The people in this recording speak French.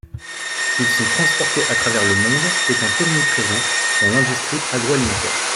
Ils sont transportés à travers le monde, étant omniprésents dans l'industrie agroalimentaire.